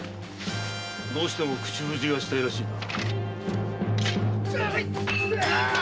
どうしても口封じがしたいらしいな。